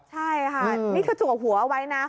ใช่ค่ะนี่กระจวกหัวเอาไว้นะ